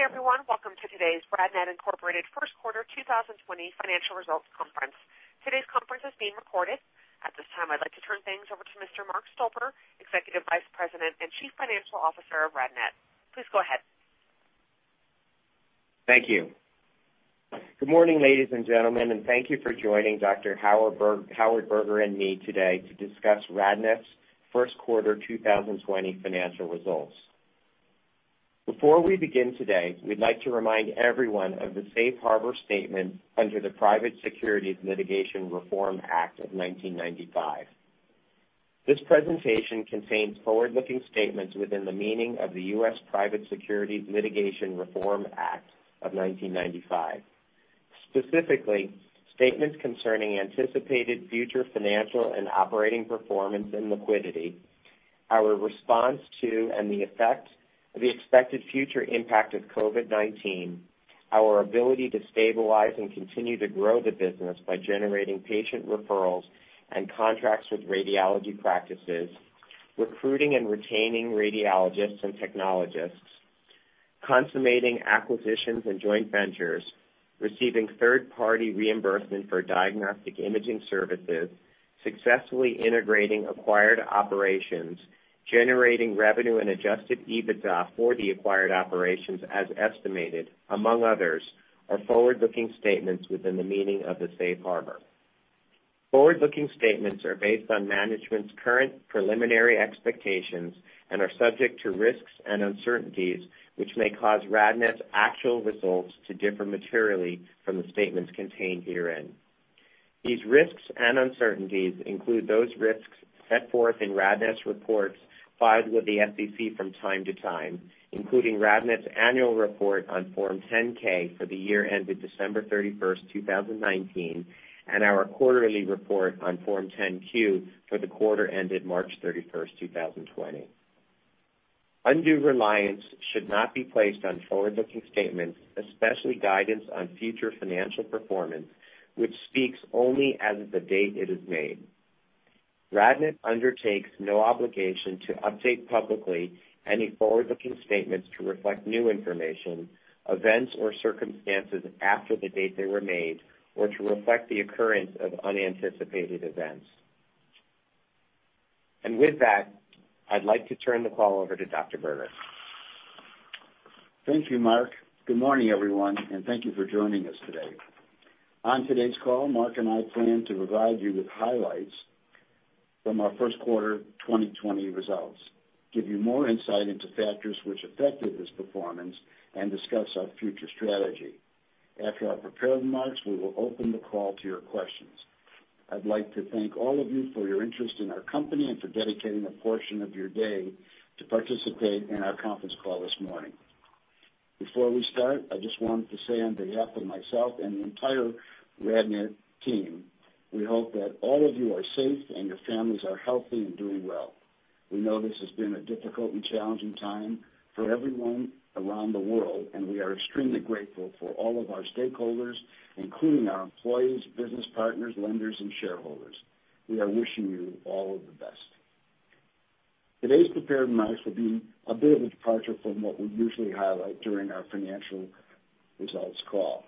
Good day, everyone. Welcome to today's RadNet, Inc. first quarter 2020 financial results conference. Today's conference is being recorded. At this time, I'd like to turn things over to Mr. Mark Stolper, Executive Vice President and Chief Financial Officer of RadNet. Please go ahead. Thank you. Good morning, ladies and gentlemen, and thank you for joining Dr. Howard Berger and me today to discuss RadNet's first quarter 2020 financial results. Before we begin today, we'd like to remind everyone of the safe harbor statement under the Private Securities Litigation Reform Act of 1995. This presentation contains forward-looking statements within the meaning of the U.S. Private Securities Litigation Reform Act of 1995. Specifically, statements concerning anticipated future financial and operating performance and liquidity, our response to and the effect of the expected future impact of COVID-19, our ability to stabilize and continue to grow the business by generating patient referrals and contracts with radiology practices, recruiting and retaining radiologists and technologists, consummating acquisitions and joint ventures, receiving third-party reimbursement for diagnostic imaging services, successfully integrating acquired operations, generating revenue and Adjusted EBITDA for the acquired operations as estimated, among others, are forward-looking statements within the meaning of the safe harbor. Forward-looking statements are based on management's current preliminary expectations and are subject to risks and uncertainties, which may cause RadNet's actual results to differ materially from the statements contained herein. These risks and uncertainties include those risks set forth in RadNet's reports filed with the SEC from time to time, including RadNet's annual report on Form 10-K for the year ended December 31st, 2019, and our quarterly report on Form 10-Q for the quarter ended March 31st, 2020. Undue reliance should not be placed on forward-looking statements, especially guidance on future financial performance, which speaks only as of the date it is made. RadNet undertakes no obligation to update publicly any forward-looking statements to reflect new information, events, or circumstances after the date they were made, or to reflect the occurrence of unanticipated events. With that, I'd like to turn the call over to Dr. Berger. Thank you, Mark. Good morning, everyone, and thank you for joining us today. On today's call, Mark and I plan to provide you with highlights from our first quarter 2020 results, give you more insight into factors which affected this performance, and discuss our future strategy. After our prepared remarks, we will open the call to your questions. I'd like to thank all of you for your interest in our company and for dedicating a portion of your day to participate in our conference call this morning. Before we start, I just wanted to say on behalf of myself and the entire RadNet team, we hope that all of you are safe and your families are healthy and doing well. We know this has been a difficult and challenging time for everyone around the world, and we are extremely grateful for all of our stakeholders, including our employees, business partners, lenders, and shareholders. We are wishing you all of the best. Today's prepared remarks will be a bit of a departure from what we usually highlight during our financial results call.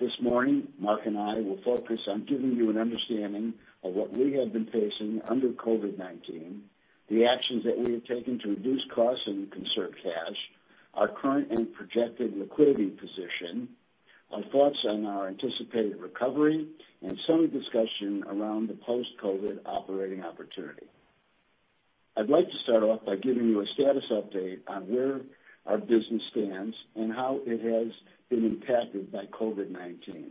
This morning, Mark and I will focus on giving you an understanding of what we have been facing under COVID-19, the actions that we have taken to reduce costs and conserve cash, our current and projected liquidity position, our thoughts on our anticipated recovery, and some discussion around the post-COVID operating opportunity. I'd like to start off by giving you a status update on where our business stands and how it has been impacted by COVID-19.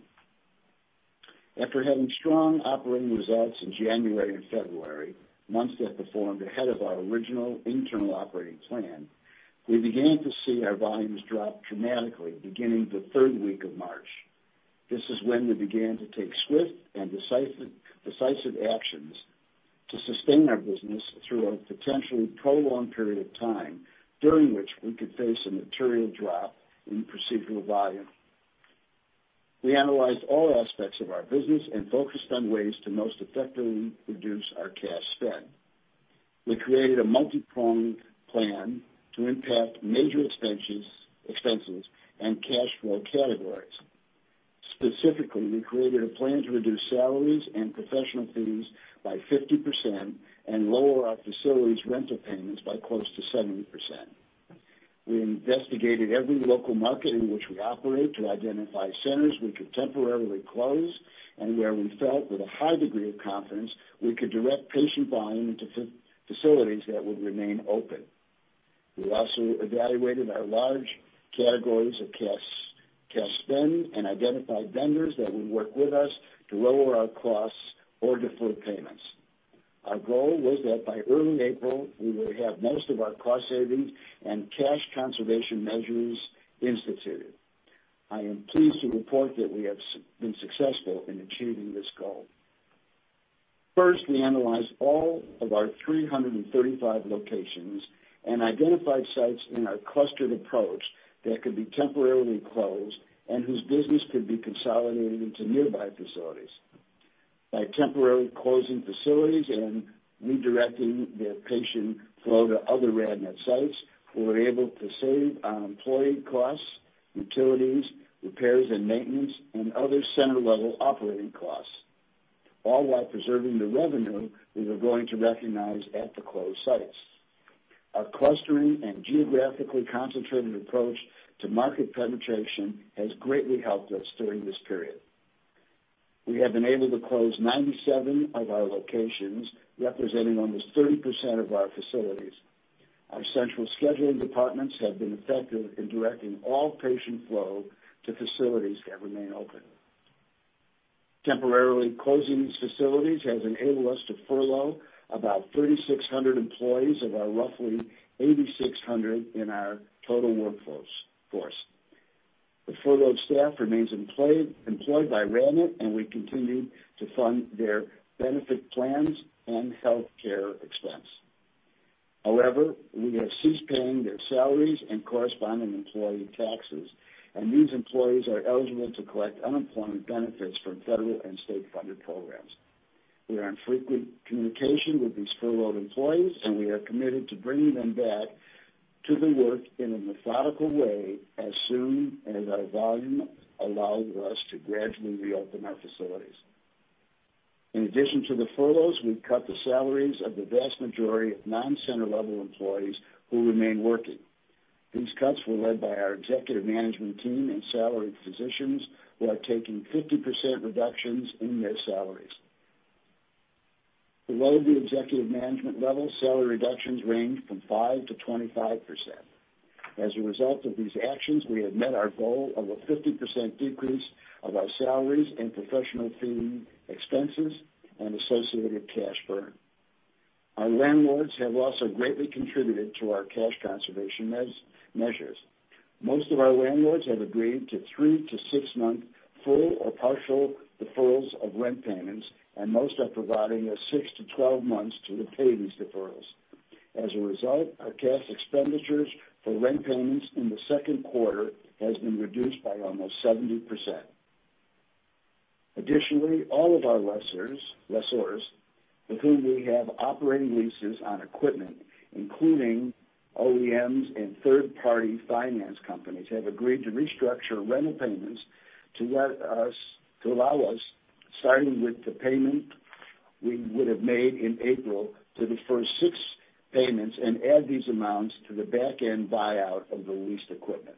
After having strong operating results in January and February, months that performed ahead of our original internal operating plan, we began to see our volumes drop dramatically beginning the third week of March. This is when we began to take swift and decisive actions to sustain our business through a potentially prolonged period of time, during which we could face a material drop in procedural volume. We analyzed all aspects of our business and focused on ways to most effectively reduce our cash spend. We created a multi-pronged plan to impact major expenses and cash flow categories. Specifically, we created a plan to reduce salaries and professional fees by 50% and lower our facilities rental payments by close to 70%. We investigated every local market in which we operate to identify centers we could temporarily close and where we felt with a high degree of confidence we could direct patient volume into facilities that would remain open. We also evaluated our large categories of cash spend and identified vendors that would work with us to lower our costs or defer payments. Our goal was that by early April, we would have most of our cost-saving and cash conservation measures instituted. I am pleased to report that we have been successful in achieving this goal. First, we analyzed all of our 335 locations and identified sites in a clustered approach that could be temporarily closed and whose business could be consolidated into nearby facilities. By temporarily closing facilities and redirecting the patient flow to other RadNet sites, we were able to save on employee costs, utilities, repairs and maintenance, and other center-level operating costs, all while preserving the revenue we were going to recognize at the closed sites. Our clustering and geographically concentrated approach to market penetration has greatly helped us during this period. We have been able to close 97 of our locations, representing almost 30% of our facilities. Our central scheduling departments have been effective in directing all patient flow to facilities that remain open. Temporarily closing these facilities has enabled us to furlough about 3,600 employees of our roughly 8,600 in our total workforce. The furloughed staff remains employed by RadNet, and we continue to fund their benefit plans and healthcare expense. However, we have ceased paying their salaries and corresponding employee taxes, and these employees are eligible to collect unemployment benefits from federal and state-funded programs. We are in frequent communication with these furloughed employees, and we are committed to bringing them back to the work in a methodical way as soon as our volume allows us to gradually reopen our facilities. In addition to the furloughs, we've cut the salaries of the vast majority of non-center-level employees who remain working. These cuts were led by our executive management team and salaried physicians, who are taking 50% reductions in their salaries. Below the executive management level, salary reductions range from 5%-25%. As a result of these actions, we have met our goal of a 50% decrease of our salaries and professional fee expenses and associated cash burn. Our landlords have also greatly contributed to our cash conservation measures. Most of our landlords have agreed to three to six month full or partial deferrals of rent payments, and most are providing us 6-12 months to repay these deferrals. As a result, our cash expenditures for rent payments in the second quarter has been reduced by almost 70%. Additionally, all of our lessors with whom we have operating leases on equipment, including OEMs and third-party finance companies, have agreed to restructure rental payments to allow us, starting with the payment we would've made in April, to defer six payments and add these amounts to the back end buyout of the leased equipment.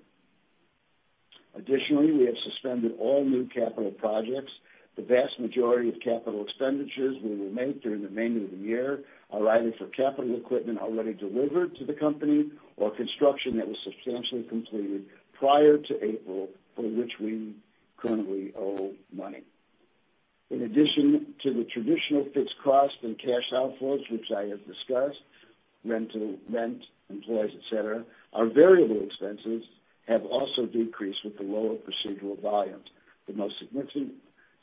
Additionally, we have suspended all new capital projects. The vast majority of capital expenditures we will make during the remainder of the year are either for capital equipment already delivered to the company or construction that was substantially completed prior to April, for which we currently owe money. In addition to the traditional fixed costs and cash outflows which I have discussed, rent, employees, et cetera, our variable expenses have also decreased with the lower procedural volumes. The most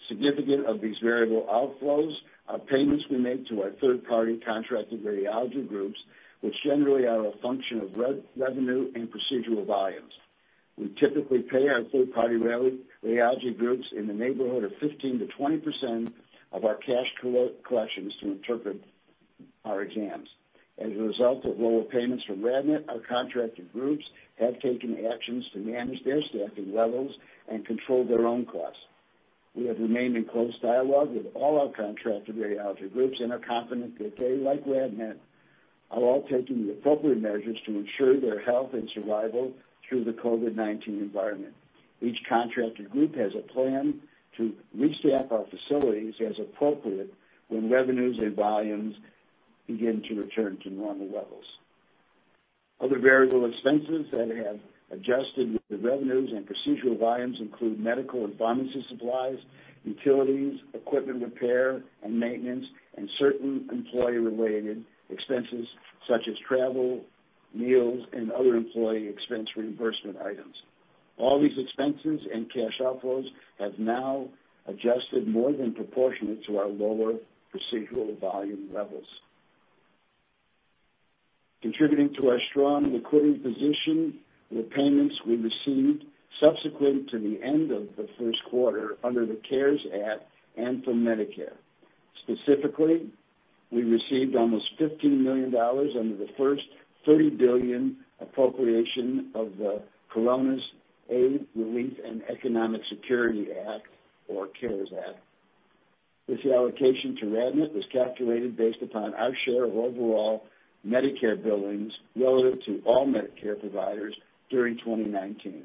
significant of these variable outflows are payments we make to our third-party contracted radiology groups, which generally are a function of revenue and procedural volumes. We typically pay our third-party radiology groups in the neighborhood of 15%-20% of our cash collections to interpret our exams. As a result of lower payments from RadNet, our contracted groups have taken actions to manage their staffing levels and control their own costs. We have remained in close dialogue with all our contracted radiology groups and are confident that they, like RadNet, are all taking the appropriate measures to ensure their health and survival through the COVID-19 environment. Each contracted group has a plan to restaff our facilities as appropriate when revenues and volumes begin to return to normal levels. Other variable expenses that have adjusted with the revenues and procedural volumes include medical and pharmacy supplies, utilities, equipment repair and maintenance, and certain employee-related expenses such as travel, meals, and other employee expense reimbursement items. All these expenses and cash outflows have now adjusted more than proportionate to our lower procedural volume levels. Contributing to our strong liquidity position were payments we received subsequent to the end of the first quarter under the CARES Act and from Medicare. Specifically, we received almost $15 million under the first $30 billion appropriation of the Coronavirus Aid, Relief, and Economic Security Act, or CARES Act. This allocation to RadNet was calculated based upon our share of overall Medicare billings relative to all Medicare providers during 2019.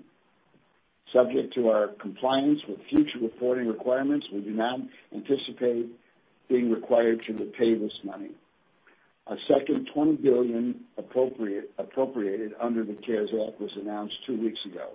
Subject to our compliance with future reporting requirements, we do not anticipate being required to repay this money. A second $20 billion appropriated under the CARES Act was announced two weeks ago.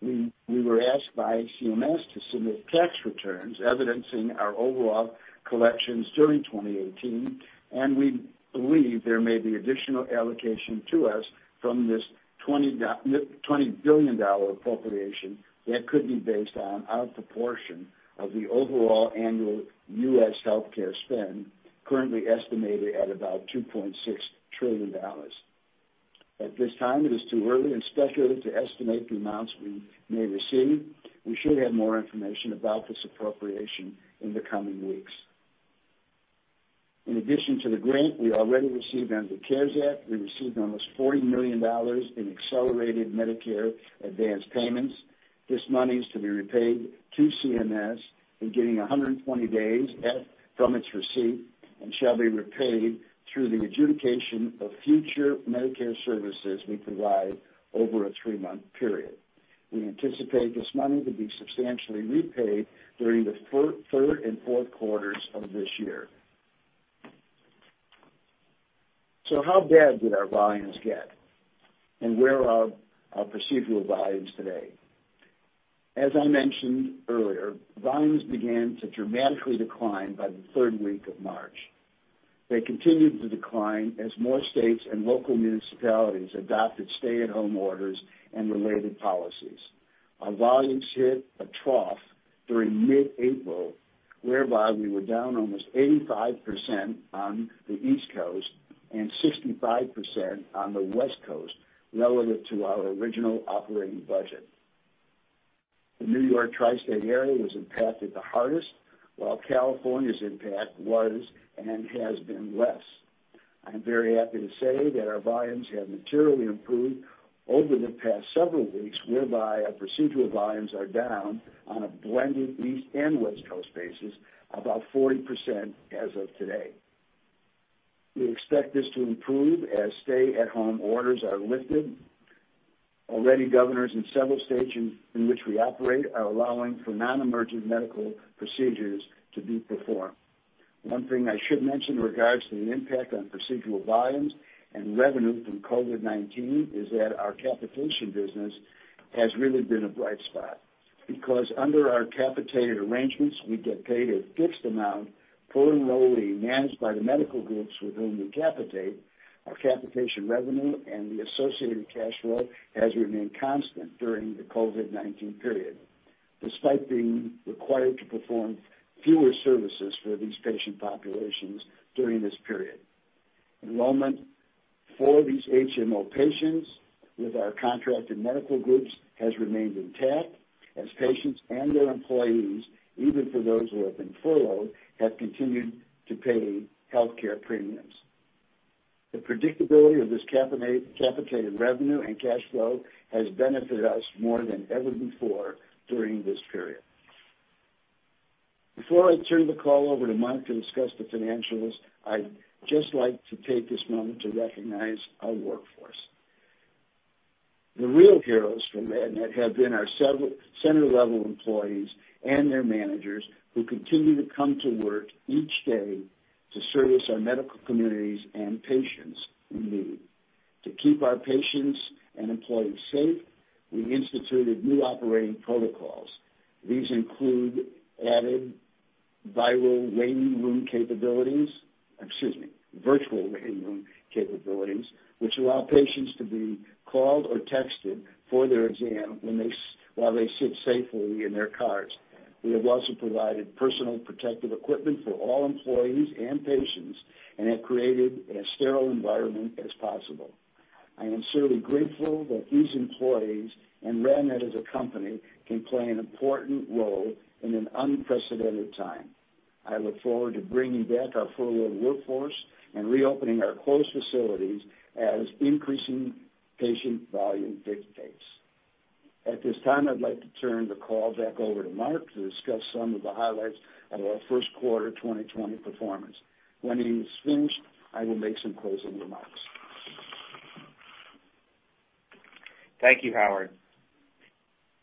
We were asked by CMS to submit tax returns evidencing our overall collections during 2018, and we believe there may be additional allocation to us from this $20 billion appropriation that could be based on our proportion of the overall annual U.S. healthcare spend, currently estimated at about $2.6 trillion. At this time, it is too early and speculative to estimate the amounts we may receive. We should have more information about this appropriation in the coming weeks. In addition to the grant we already received under the CARES Act, we received almost $40 million in accelerated Medicare advance payments. This money is to be repaid to CMS in getting 120 days from its receipt and shall be repaid through the adjudication of future Medicare services we provide over a three-month period. We anticipate this money to be substantially repaid during the third and fourth quarters of this year. How bad did our volumes get? Where are our procedural volumes today? As I mentioned earlier, volumes began to dramatically decline by the third week of March. They continued to decline as more states and local municipalities adopted stay-at-home orders and related policies. Our volumes hit a trough during mid-April, whereby we were down almost 85% on the East Coast and 65% on the West Coast relative to our original operating budget. The New York tri-state area was impacted the hardest, while California's impact was and has been less. I'm very happy to say that our volumes have materially improved over the past several weeks, whereby our procedural volumes are down on a blended East and West Coast basis, about 40% as of today. We expect this to improve as stay-at-home orders are lifted. Already, governors in several states in which we operate are allowing for non-emergent medical procedures to be performed. One thing I should mention in regards to the impact on procedural volumes and revenue from COVID-19 is that our capitation business has really been a bright spot. Under our capitated arrangements, we get paid a fixed amount for the role we manage by the medical groups with whom we capitate. Our capitation revenue and the associated cash flow has remained constant during the COVID-19 period, despite being required to perform fewer services for these patient populations during this period. Enrollment for these HMO patients with our contracted medical groups has remained intact as patients and their employees, even for those who have been furloughed, have continued to pay healthcare premiums. The predictability of this capitated revenue and cash flow has benefited us more than ever before during this period. Before I turn the call over to Mark to discuss the financials, I'd just like to take this moment to recognize our workforce. The real heroes from RadNet have been our center-level employees and their managers who continue to come to work each day to service our medical communities and patients in need. To keep our patients and employees safe, we instituted new operating protocols. These include added viral waiting room capabilities, excuse me, virtual waiting room capabilities, which allow patients to be called or texted for their exam while they sit safely in their cars. We have also provided personal protective equipment for all employees and patients and have created as sterile environment as possible. I am certainly grateful that these employees, and RadNet as a company, can play an important role in an unprecedented time. I look forward to bringing back our furloughed workforce and reopening our closed facilities as increasing patient volume dictates. At this time, I'd like to turn the call back over to Mark to discuss some of the highlights of our first quarter 2020 performance. When he is finished, I will make some closing remarks. Thank you, Howard.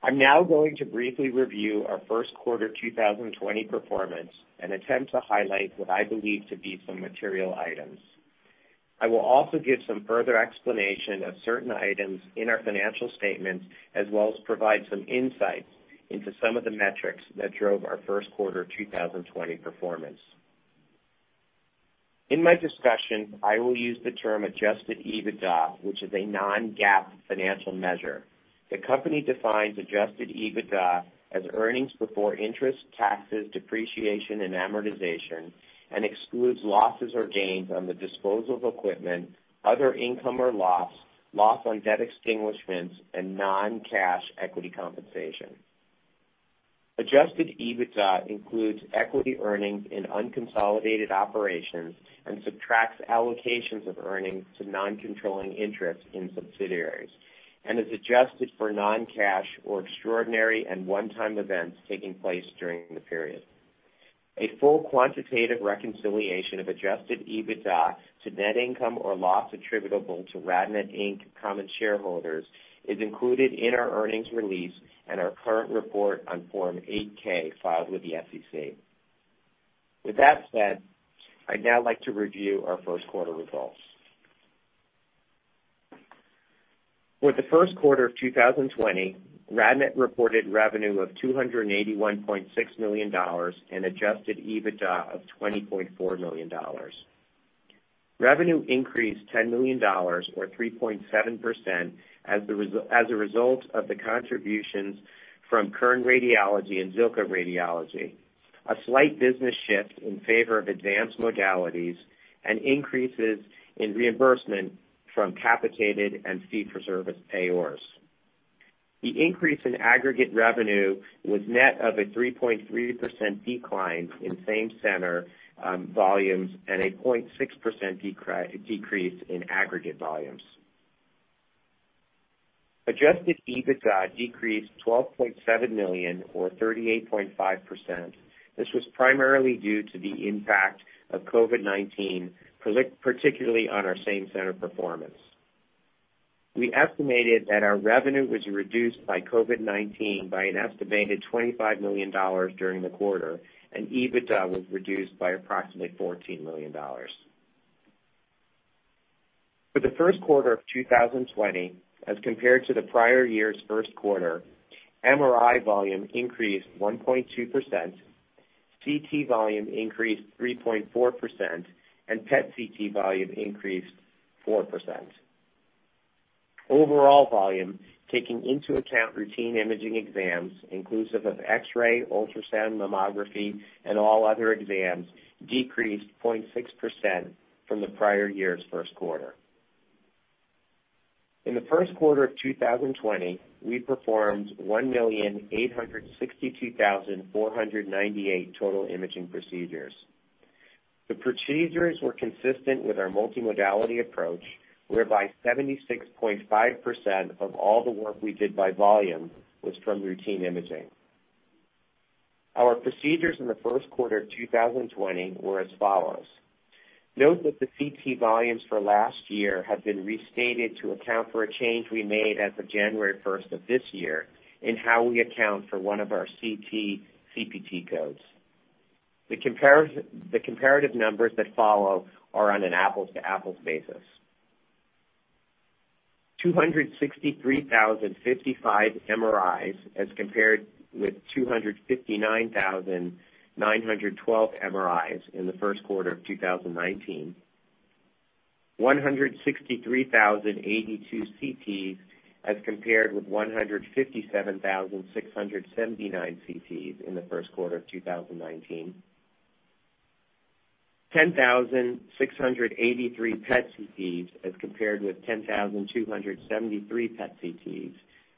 I'm now going to briefly review our first quarter 2020 performance and attempt to highlight what I believe to be some material items. I will also give some further explanation of certain items in our financial statements, as well as provide some insights into some of the metrics that drove our first quarter 2020 performance. In my discussion, I will use the term Adjusted EBITDA, which is a non-GAAP financial measure. The company defines Adjusted EBITDA as earnings before interest, taxes, depreciation, and amortization, and excludes losses or gains on the disposal of equipment, other income or loss on debt extinguishments, and non-cash equity compensation. Adjusted EBITDA includes equity earnings in unconsolidated operations and subtracts allocations of earnings to non-controlling interests in subsidiaries and is adjusted for non-cash or extraordinary and one-time events taking place during the period. A full quantitative reconciliation of Adjusted EBITDA to net income or loss attributable to RadNet, Inc. common shareholders is included in our earnings release and our current report on Form 8-K filed with the SEC. With that said, I'd now like to review our first quarter results. For the first quarter of 2020, RadNet reported revenue of $281.6 million and Adjusted EBITDA of $20.4 million. Revenue increased $10 million or 3.7% as a result of the contributions from Kern Radiology and Zilkha Radiology. A slight business shift in favor of advanced modalities and increases in reimbursement from capitated and fee-for-service payers. The increase in aggregate revenue was net of a 3.3% decline in same-center volumes and a 0.6% decrease in aggregate volumes. Adjusted EBITDA decreased $12.7 million or 38.5%. This was primarily due to the impact of COVID-19, particularly on our same-center performance. We estimated that our revenue was reduced by COVID-19 by an estimated $25 million during the quarter, and EBITDA was reduced by approximately $14 million. For the first quarter of 2020 as compared to the prior year's first quarter, MRI volume increased 1.2%, CT volume increased 3.4%, and PET CT volume increased 4%. Overall volume, taking into account routine imaging exams inclusive of X-ray, ultrasound, mammography, and all other exams, decreased 0.6% from the prior year's first quarter. In the first quarter of 2020, we performed 1,862,498 total imaging procedures. The procedures were consistent with our multimodality approach, whereby 76.5% of all the work we did by volume was from routine imaging. Our procedures in the first quarter of 2020 were as follows. Note that the CT volumes for last year have been restated to account for a change we made as of January 1st of this year in how we account for one of our CT CPT codes. The comparative numbers that follow are on an apples-to-apples basis. 263,055 MRIs as compared with 259,912 MRIs in the first quarter of 2019. 163,082 CTs as compared with 157,679 CTs in the first quarter of 2019. 10,683 PET CTs as compared with 10,273 PET CTs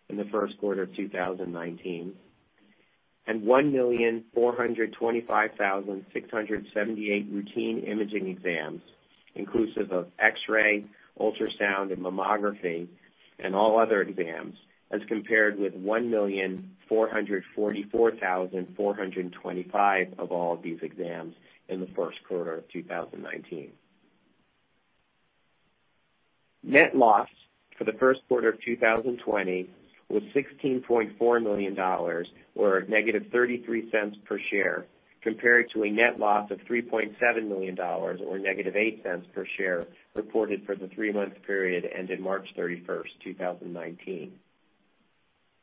in the first quarter of 2019, and 1,425,678 routine imaging exams inclusive of X-ray, ultrasound, and mammography, and all other exams as compared with 1,444,425 of all these exams in the first quarter of 2019. Net loss for the first quarter of 2020 was $16.4 million, or -$0.33 per share, compared to a net loss of $3.7 million or -$0.08 per share reported for the three-month period ended March 31st, 2019.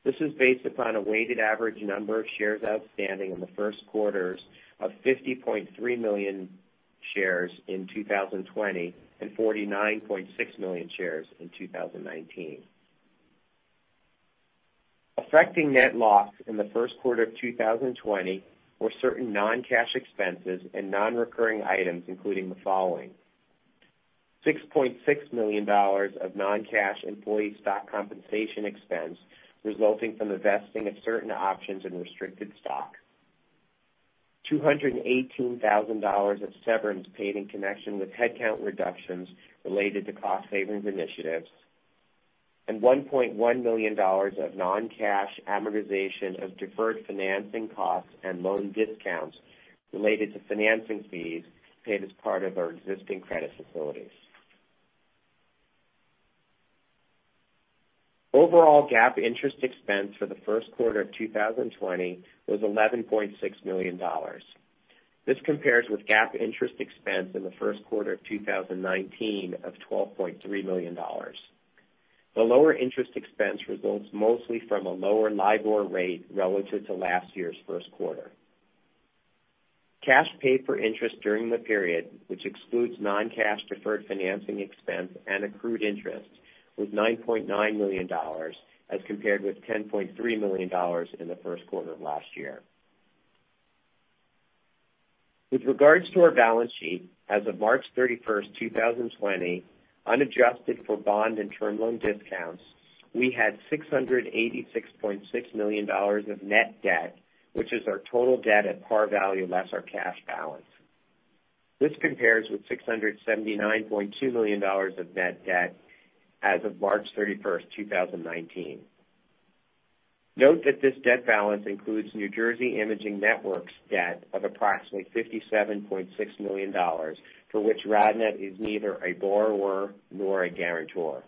This is based upon a weighted average number of shares outstanding in the first quarters of 50.3 million shares in 2020 and 49.6 million shares in 2019. Affecting net loss in the first quarter of 2020 were certain non-cash expenses and non-recurring items, including the following, $6.6 million of non-cash employee stock compensation expense resulting from the vesting of certain options and restricted stock, $218,000 of severance paid in connection with headcount reductions related to cost savings initiatives, and $1.1 million of non-cash amortization of deferred financing costs and loan discounts related to financing fees paid as part of our existing credit facilities. Overall GAAP interest expense for the first quarter of 2020 was $11.6 million. This compares with GAAP interest expense in the first quarter of 2019 of $12.3 million. The lower interest expense results mostly from a lower LIBOR rate relative to last year's first quarter. Cash paid for interest during the period, which excludes non-cash deferred financing expense and accrued interest, was $9.9 million as compared with $10.3 million in the first quarter of last year. With regards to our balance sheet as of March 31st, 2020, unadjusted for bond and term loan discounts, we had $686.6 million of net debt, which is our total debt at par value less our cash balance. This compares with $679.2 million of net debt as of March 31st, 2019. Note that this debt balance includes New Jersey Imaging Network's debt of approximately $57.6 million, for which RadNet is neither a borrower nor a guarantor.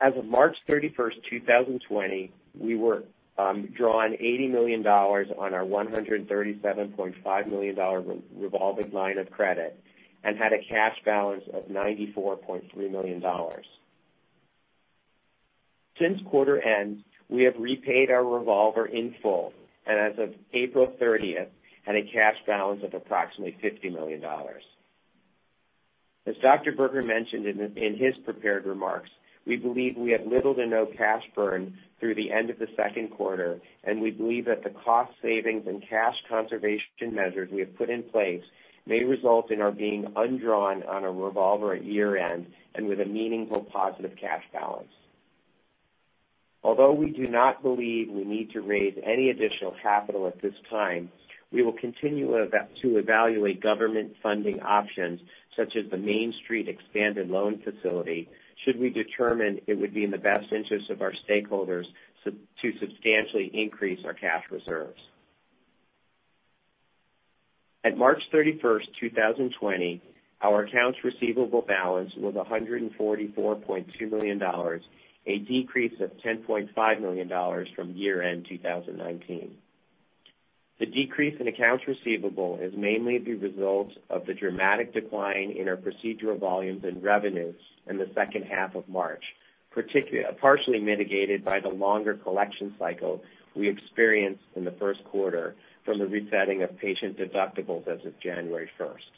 As of March 31st, 2020, we were drawing $80 million on our $137.5 million revolving line of credit and had a cash balance of $94.3 million. Since quarter end, we have repaid our revolver in full and as of April 30th, had a cash balance of approximately $50 million. As Dr. Berger mentioned in his prepared remarks, we believe we have little to no cash burn through the end of the second quarter, and we believe that the cost savings and cash conservation measures we have put in place may result in our being undrawn on a revolver at year-end, and with a meaningful positive cash balance. Although we do not believe we need to raise any additional capital at this time, we will continue to evaluate government funding options such as the Main Street Expanded Loan Facility, should we determine it would be in the best interest of our stakeholders to substantially increase our cash reserves. At March 31st, 2020, our accounts receivable balance was $144.2 million, a decrease of $10.5 million from year-end 2019. The decrease in accounts receivable is mainly the result of the dramatic decline in our procedural volumes and revenues in the second half of March, partially mitigated by the longer collection cycle we experienced in the first quarter from the resetting of patient deductibles as of January 1st.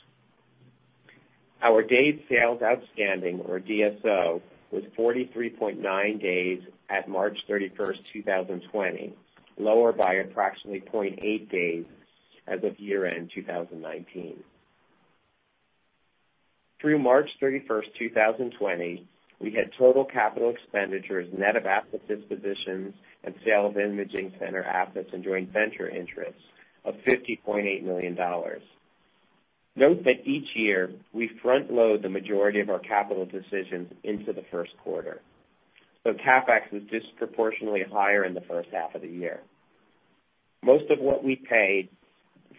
Our days sales outstanding, or DSO, was 43.9 days at March 31st, 2020, lower by approximately 0.8 days as of year-end 2019. Through March 31st, 2020, we had total capital expenditures net of asset dispositions and sale of imaging center assets and joint venture interests of $50.8 million. Note that each year, we front-load the majority of our capital decisions into the first quarter, so CapEx is disproportionately higher in the first half of the year. Most of what we paid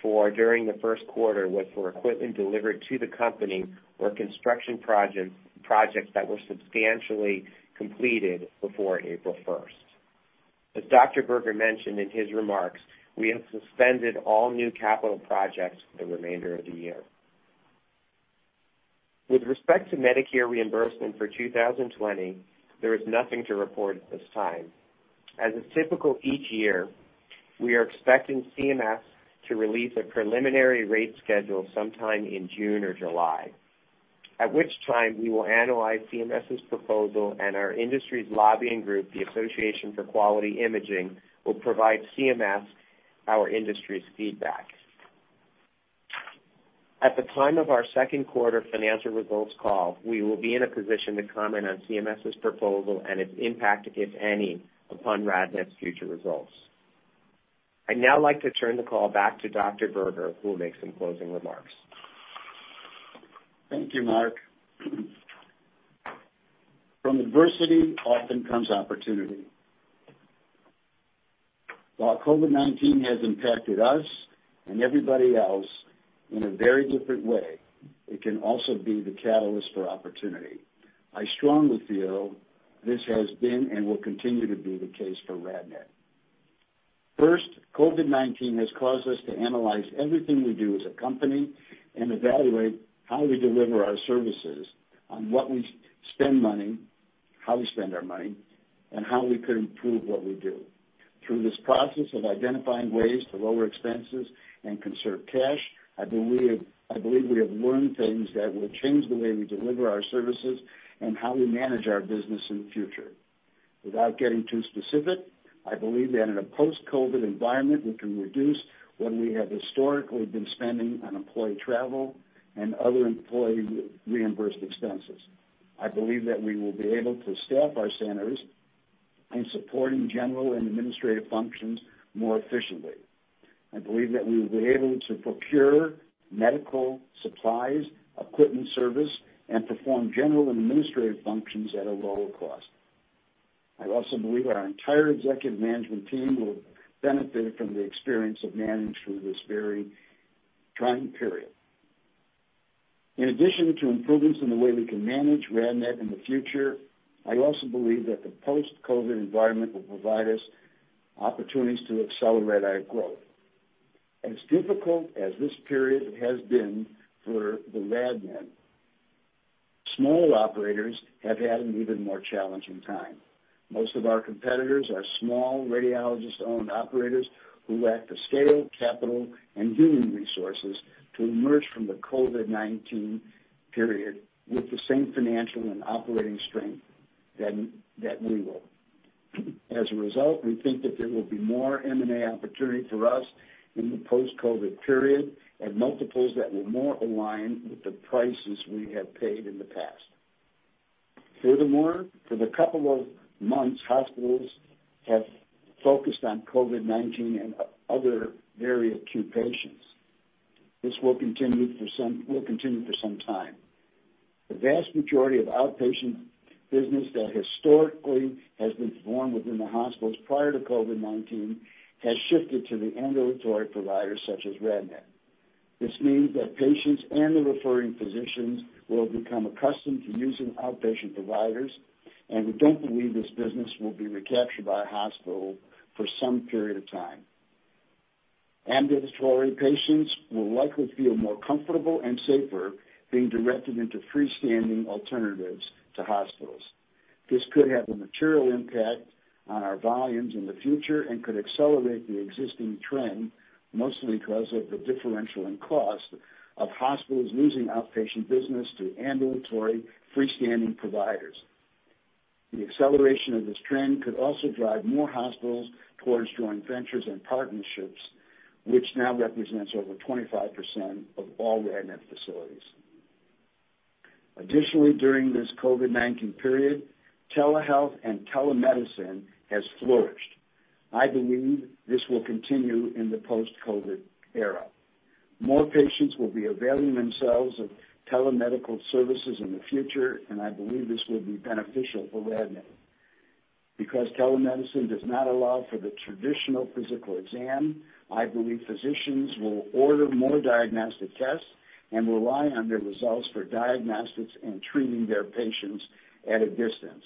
for during the first quarter was for equipment delivered to the company, or construction projects that were substantially completed before April 1st. As Dr. Berger mentioned in his remarks, we have suspended all new capital projects for the remainder of the year. With respect to Medicare reimbursement for 2020, there is nothing to report at this time. As is typical each year, we are expecting CMS to release a preliminary rate schedule sometime in June or July, at which time we will analyze CMS's proposal and our industry's lobbying group, the Association for Quality Imaging, will provide CMS our industry's feedback. At the time of our second quarter financial results call, we will be in a position to comment on CMS's proposal and its impact, if any, upon RadNet's future results. I'd now like to turn the call back to Dr. Berger, who will make some closing remarks. Thank you, Mark. From adversity often comes opportunity. While COVID-19 has impacted us and everybody else in a very different way, it can also be the catalyst for opportunity. I strongly feel this has been and will continue to be the case for RadNet. First, COVID-19 has caused us to analyze everything we do as a company and evaluate how we deliver our services, on what we spend money, how we spend our money, and how we could improve what we do. Through this process of identifying ways to lower expenses and conserve cash, I believe we have learned things that will change the way we deliver our services and how we manage our business in the future. Without getting too specific, I believe that in a post-COVID environment, we can reduce what we have historically been spending on employee travel and other employee reimbursed expenses. I believe that we will be able to staff our centers in supporting general and administrative functions more efficiently. I believe that we will be able to procure medical supplies, equipment service, and perform general and administrative functions at a lower cost. I also believe our entire executive management team will benefit from the experience of manage through this very trying period. In addition to improvements in the way we can manage RadNet in the future, I also believe that the post-COVID environment will provide us opportunities to accelerate our growth. As difficult as this period has been for the RadNet, small operators have had an even more challenging time. Most of our competitors are small radiologist-owned operators who lack the scale, capital, and human resources to emerge from the COVID-19 period with the same financial and operating strength that we will. As a result, we think that there will be more M&A opportunity for us in the post-COVID period at multiples that will more align with the prices we have paid in the past. Furthermore, for the couple of months, hospitals have focused on COVID-19 and other very acute patients. This will continue for some time. The vast majority of outpatient business that historically has been formed within the hospitals prior to COVID-19 has shifted to the ambulatory providers such as RadNet. This means that patients and the referring physicians will become accustomed to using outpatient providers, and we don't believe this business will be recaptured by a hospital for some period of time. Ambulatory patients will likely feel more comfortable and safer being directed into freestanding alternatives to hospitals. This could have a material impact on our volumes in the future and could accelerate the existing trend, mostly because of the differential in cost of hospitals losing outpatient business to ambulatory freestanding providers. The acceleration of this trend could also drive more hospitals towards joint ventures and partnerships, which now represents over 25% of all RadNet facilities. Additionally, during this COVID-19 period, telehealth and telemedicine has flourished. I believe this will continue in the post-COVID era. More patients will be availing themselves of telemedical services in the future, and I believe this will be beneficial for RadNet. Because telemedicine does not allow for the traditional physical exam, I believe physicians will order more diagnostic tests and rely on their results for diagnostics and treating their patients at a distance.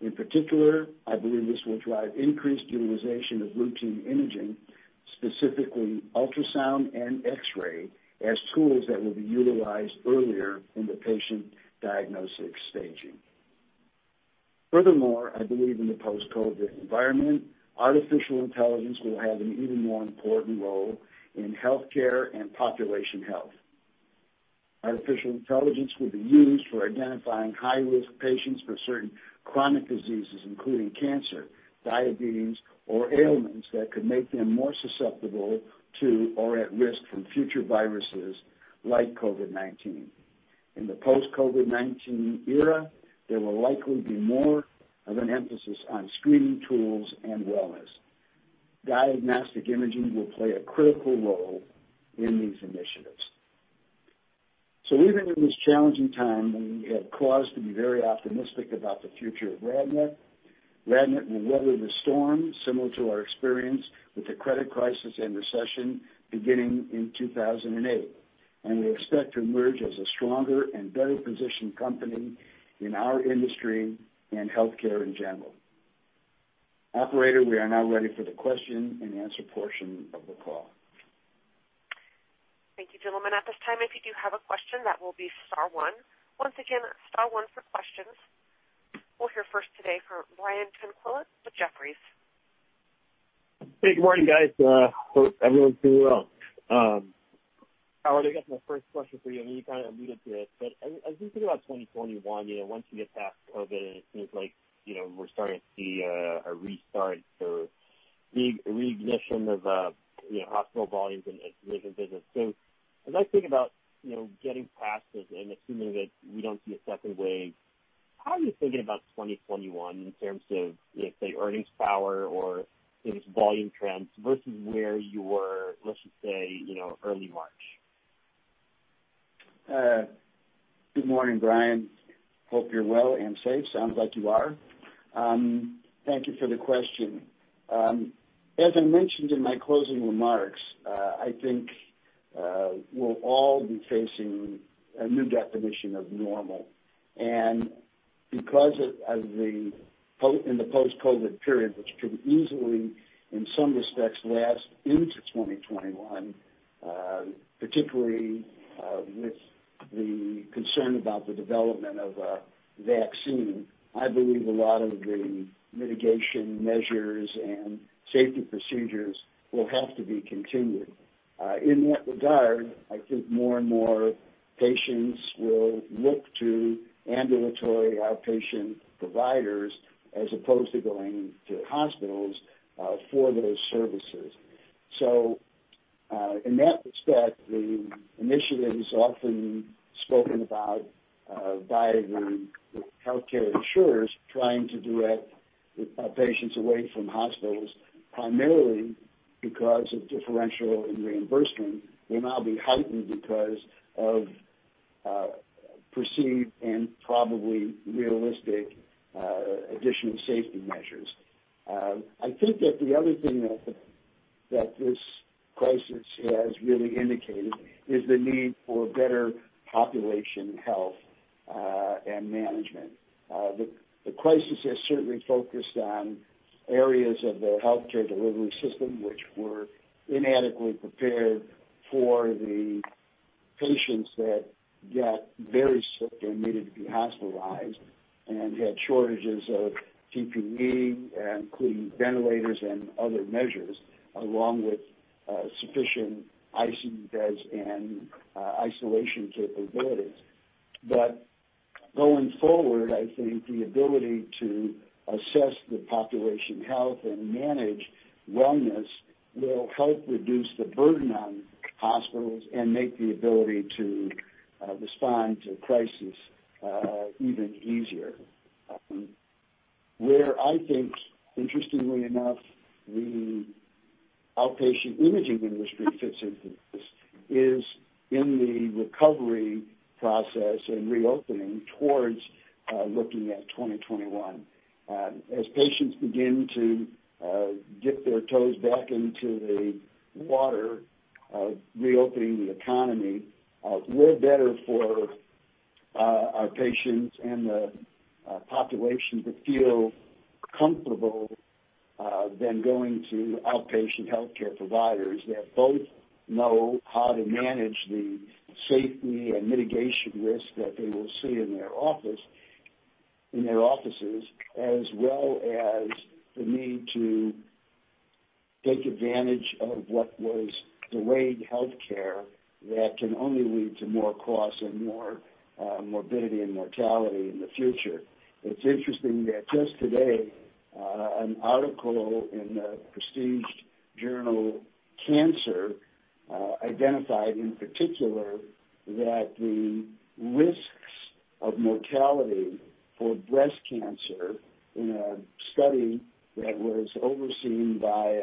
In particular, I believe this will drive increased utilization of routine imaging, specifically ultrasound and X-ray, as tools that will be utilized earlier in the patient diagnostic staging. Furthermore, I believe in the post-COVID-19 environment, artificial intelligence will have an even more important role in healthcare and population health. Artificial intelligence will be used for identifying high-risk patients for certain chronic diseases, including cancer, diabetes, or ailments that could make them more susceptible to or at risk from future viruses like COVID-19. In the post-COVID-19 era, there will likely be more of an emphasis on screening tools and wellness. Diagnostic imaging will play a critical role in these initiatives. Even in this challenging time, we have cause to be very optimistic about the future of RadNet. RadNet will weather the storm similar to our experience with the credit crisis and recession beginning in 2008, and we expect to emerge as a stronger and better-positioned company in our industry and healthcare in general. Operator, we are now ready for the question-and-answer portion of the call. Thank you, gentlemen. At this time, if you do have a question, that will be star one. Once again, star one for questions. We'll hear first today for Brian Tanquilut with Jefferies. Hey, good morning, guys. Hope everyone's doing well. Howard, I guess my first question for you, and you kind of alluded to it. As we think about 2021, once we get past COVID-19, it seems like we're starting to see a restart or reignition of hospital volumes and physician business. As I think about getting past this and assuming that we don't see a second wave, how are you thinking about 2021 in terms of, say, earnings power or just volume trends versus where you were, let's just say, early March? Good morning, Brian. Hope you're well and safe. Sounds like you are. Thank you for the question. As I mentioned in my closing remarks, I think we'll all be facing a new definition of normal. Because in the post-COVID period, which could easily, in some respects, last into 2021, particularly with the concern about the development of a vaccine, I believe a lot of the mitigation measures and safety procedures will have to be continued. In that regard, I think more and more patients will look to ambulatory outpatient providers as opposed to going to hospitals for those services. In that respect, the initiatives often spoken about by the healthcare insurers trying to direct patients away from hospitals, primarily because of differential in reimbursement, will now be heightened because of perceived and probably realistic additional safety measures. I think that the other thing that this crisis has really indicated is the need for better population health and management. The crisis has certainly focused on areas of the healthcare delivery system which were inadequately prepared for the patients that got very sick and needed to be hospitalized and had shortages of PPE, including ventilators and other measures, along with sufficient ICU beds and isolation capabilities. Going forward, I think the ability to assess the population health and manage wellness will help reduce the burden on hospitals and make the ability to respond to crisis even easier. Where I think, interestingly enough, the outpatient imaging industry fits into this is in the recovery process and reopening towards looking at 2021. As patients begin to dip their toes back into the water of reopening the economy, we're better for our patients and the population to feel comfortable than going to outpatient healthcare providers that both know how to manage the safety and mitigation risk that they will see in their offices, as well as the need to take advantage of what was delayed healthcare that can only lead to more costs and more morbidity and mortality in the future. It's interesting that just today, an article in the prestige journal, Cancer, identified in particular that the risks of mortality for breast cancer in a study that was overseen by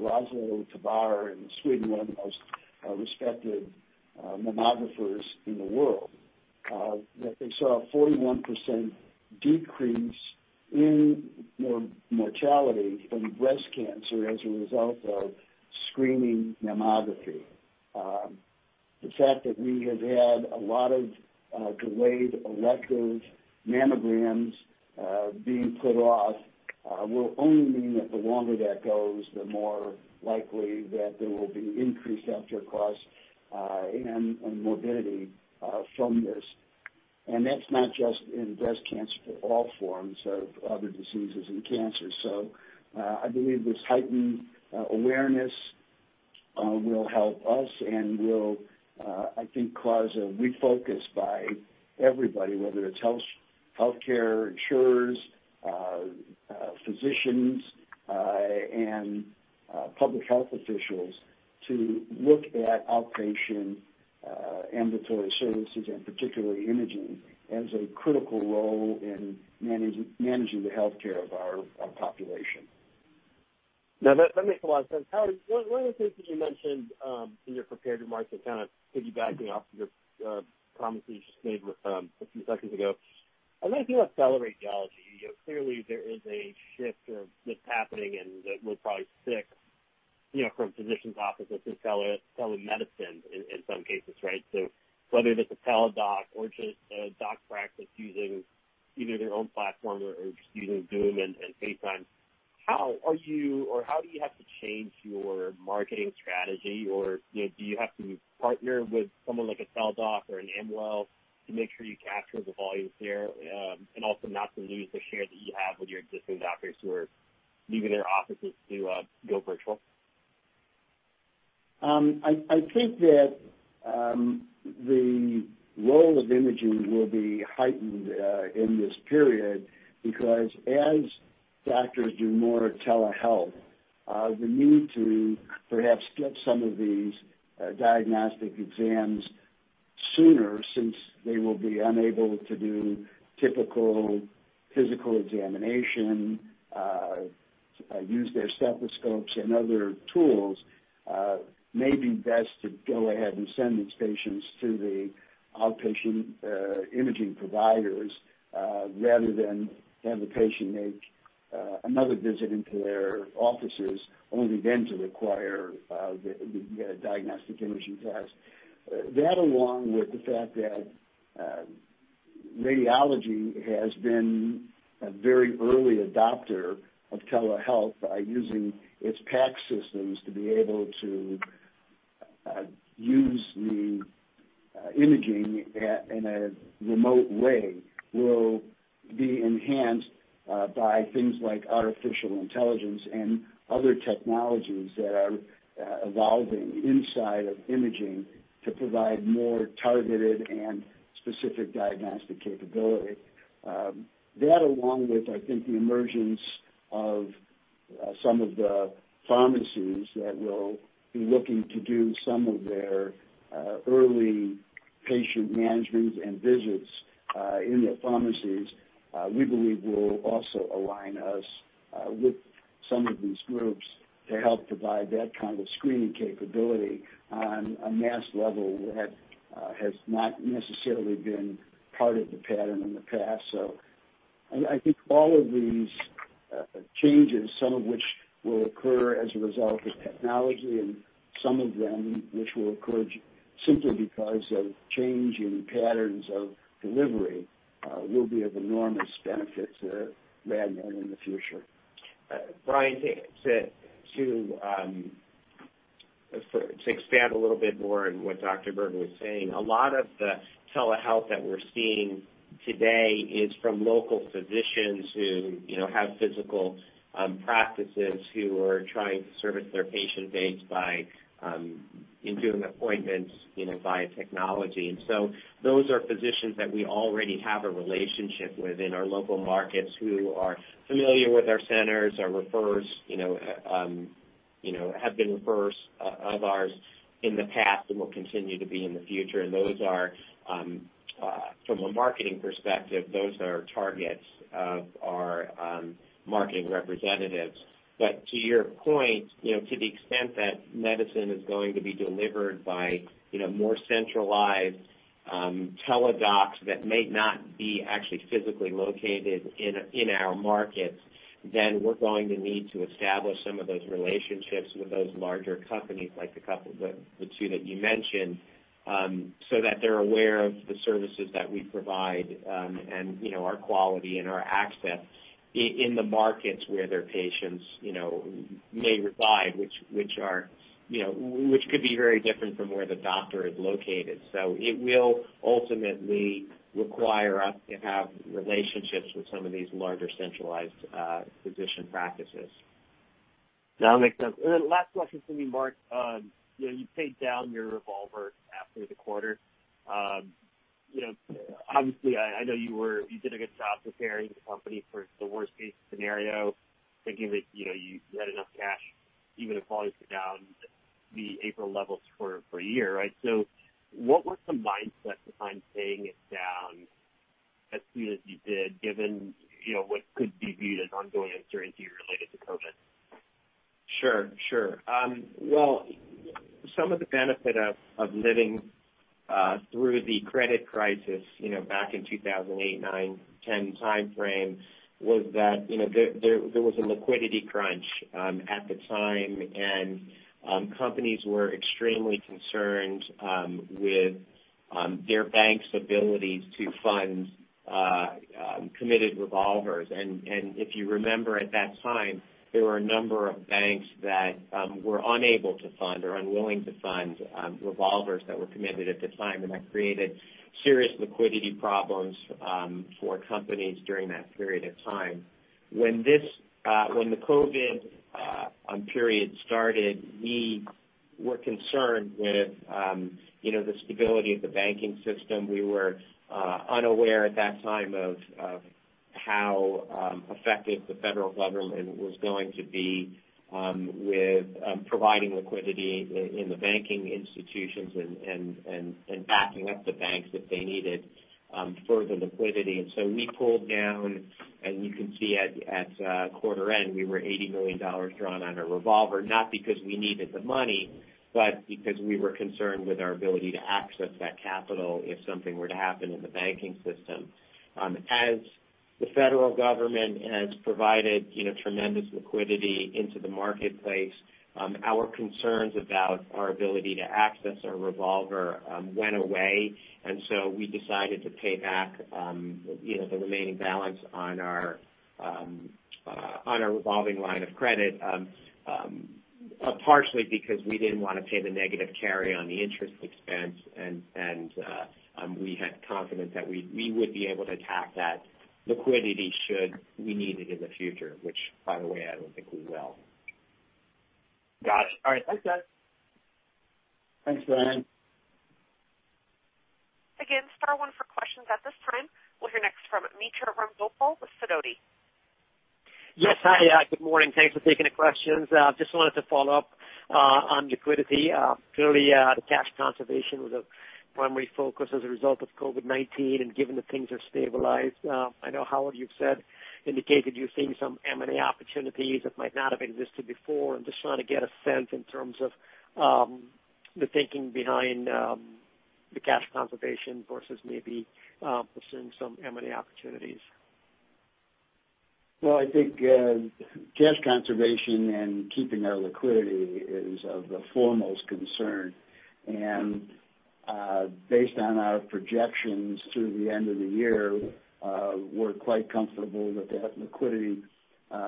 László Tabár in Sweden, one of the most respected mammographers in the world, that they saw a 41% decrease in mortality from breast cancer as a result of screening mammography. The fact that we have had a lot of delayed elective mammograms being put off will only mean that the longer that goes, the more likely that there will be increased healthcare costs and morbidity from this. That's not just in breast cancer, but all forms of other diseases and cancers. I believe this heightened awareness will help us and will, I think, cause a refocus by everybody, whether it's healthcare insurers, physicians, and public health officials to look at outpatient ambulatory services, and particularly imaging, as a critical role in managing the healthcare of our population. Now, that makes a lot of sense. One of the things that you mentioned in your prepared remarks that kind of piggybacking off your promises you just made a few seconds ago, I want to talk about teleradiology. Clearly, there is a shift that's happening and that we're probably seeing from physicians' offices and telemedicine in some cases, right? Whether it's a Teladoc or just a doc practice using either their own platform or just using Zoom and FaceTime, how do you have to change your marketing strategy? Do you have to partner with someone like a Teladoc or an Amwell to make sure you capture the volumes there, and also not to lose the share that you have with your existing doctors who are leaving their offices to go virtual? I think that the role of imaging will be heightened in this period because as doctors do more telehealth, the need to perhaps skip some of these diagnostic exams sooner, since they will be unable to do typical physical examination, use their stethoscopes and other tools, may be best to go ahead and send these patients to the outpatient imaging providers, rather than have the patient make another visit into their offices, only then to require the diagnostic imaging test. That along with the fact that radiology has been a very early adopter of telehealth by using its PACS systems to be able to use the imaging in a remote way will be enhanced by things like artificial intelligence and other technologies that are evolving inside of imaging to provide more targeted and specific diagnostic capability. That along with, I think, the emergence of some of the pharmacies that will be looking to do some of their early patient management and visits in the pharmacies, we believe will also align us with some of these groups to help provide that kind of screening capability on a mass level that has not necessarily been part of the pattern in the past. I think all of these changes, some of which will occur as a result of technology and some of them which will occur simply because of changing patterns of delivery, will be of enormous benefit to RadNet in the future. Brian, to expand a little bit more on what Dr. Berger was saying, a lot of the telehealth that we're seeing today is from local physicians who have physical practices, who are trying to service their patient base by doing appointments via technology. Those are physicians that we already have a relationship with in our local markets who are familiar with our centers, are referrers, have been referrers of ours in the past and will continue to be in the future. From a marketing perspective, those are targets of our marketing representatives. To your point, to the extent that medicine is going to be delivered by more centralized Teladocs that may not be actually physically located in our markets, then we're going to need to establish some of those relationships with those larger companies like the two that you mentioned. That they're aware of the services that we provide, and our quality and our access in the markets where their patients may reside, which could be very different from where the doctor is located. It will ultimately require us to have relationships with some of these larger centralized physician practices. That makes sense. Last question for me, Mark. You paid down your revolver after the quarter. Obviously, I know you did a good job preparing the company for the worst-case scenario, thinking that you had enough cash even if volumes were down the April levels for a year, right? What was the mindset behind paying it down as soon as you did, given what could be viewed as ongoing uncertainty related to COVID? Sure. Well, some of the benefit of living through the credit crisis back in 2008, 2009, 2010 timeframe was that there was a liquidity crunch at the time, and companies were extremely concerned with their bank's ability to fund committed revolvers. If you remember at that time, there were a number of banks that were unable to fund or unwilling to fund revolvers that were committed at the time, and that created serious liquidity problems for companies during that period of time. When the COVID period started, we were concerned with the stability of the banking system. We were unaware at that time of how effective the federal government was going to be with providing liquidity in the banking institutions and backing up the banks if they needed further liquidity. We pulled down, and you can see at quarter end, we were $80 million drawn on our revolver, not because we needed the money, but because we were concerned with our ability to access that capital if something were to happen in the banking system. As the federal government has provided tremendous liquidity into the marketplace, our concerns about our ability to access our revolver went away, and so we decided to pay back the remaining balance on our revolving line of credit, partially because we didn't want to pay the negative carry on the interest expense, and we had confidence that we would be able to tap that liquidity should we need it in the future, which, by the way, I don't think we will. Got it. All right. Thanks, guys. Thanks, Brian. Again, star one for questions at this time. We'll hear next from Mitra Ramgopal with Sidoti. Yes. Hi, good morning. Thanks for taking the questions. Just wanted to follow up on liquidity. Clearly, the cash conservation was a primary focus as a result of COVID-19 and given that things are stabilized. I know, Howard, you've indicated you're seeing some M&A opportunities that might not have existed before. I'm just trying to get a sense in terms of the thinking behind the cash conservation versus maybe pursuing some M&A opportunities? Well, I think cash conservation and keeping our liquidity is of the foremost concern. Based on our projections through the end of the year, we're quite comfortable that that liquidity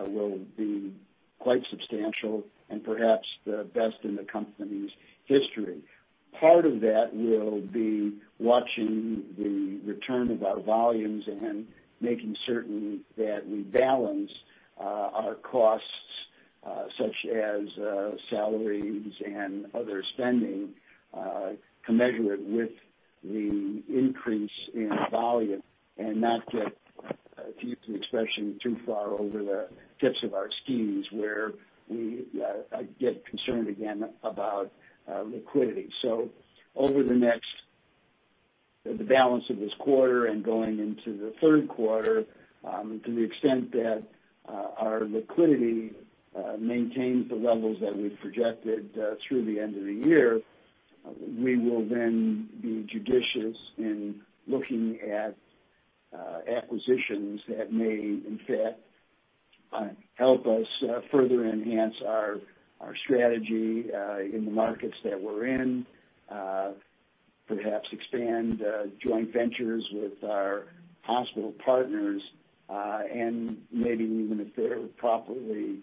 will be quite substantial and perhaps the best in the company's history. Part of that will be watching the return of our volumes and making certain that we balance our costs, such as salaries and other spending, to measure it with the increase in volume and not get, to use the expression, too far over the tips of our skis, where we get concerned again about liquidity. Over the balance of this quarter and going into the third quarter, to the extent that our liquidity maintains the levels that we've projected through the end of the year, we will then be judicious in looking at acquisitions that may, in fact, help us further enhance our strategy in the markets that we're in, perhaps expand joint ventures with our hospital partners, and maybe even if they're properly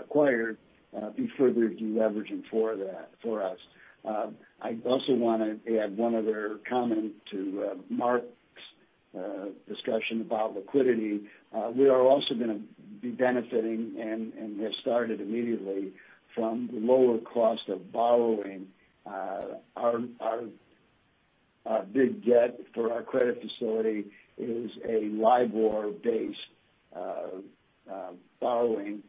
acquired, be further de-leveraging for us. I also want to add one other comment to Mark's discussion about liquidity. We are also going to be benefiting, and have started immediately, from the lower cost of borrowing. Our big debt for our credit facility is a LIBOR-based borrowing